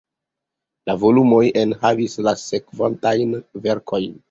La volumoj enhavis la sekvantajn verkojn.